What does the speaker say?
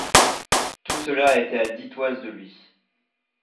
Tout cela était à dix toises de lui.